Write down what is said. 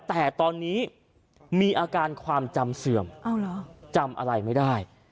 แต่ตอนนี้มีอาการความจำเสื่อมจำอะไรไม่ได้